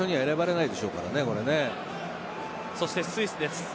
そしてスイスです。